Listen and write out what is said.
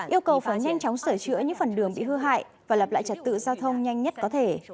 yêu cầu phải nhanh chóng sửa chữa những phần đường bị hư hại và lập lại trật tự giao thông nhanh nhất có thể